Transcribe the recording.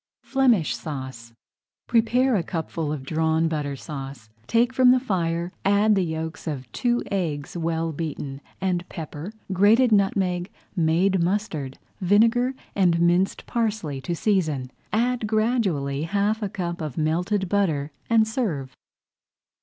FLEMISH SAUCE Prepare a cupful of Drawn Butter Sauce, take from the fire, add the yolks of two eggs well beaten, and pepper, grated nutmeg, made mustard, vinegar, and minced parsley to season. [Page 24] Add gradually half a cupful of melted butter and serve.